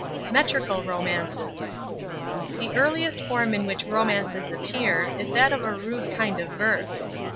METRICAL ROMANCES The earliest form in which romances appear is that of a rude kind of verse.